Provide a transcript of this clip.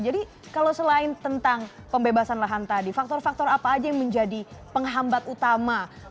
kalau selain tentang pembebasan lahan tadi faktor faktor apa aja yang menjadi penghambat utama